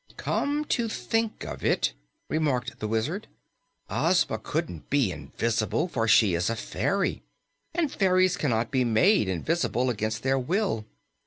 "Come to think of it," remarked the Wizard, "Ozma couldn't be invisible, for she is a fairy, and fairies cannot be made invisible against their will.